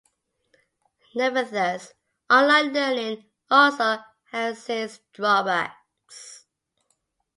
Nevertheless, online learning also has its drawbacks.